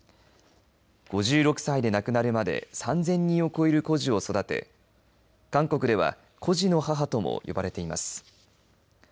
５６歳で亡くなるまで３０００人を超える孤児を育て韓国では孤児の母とも呼ばれています。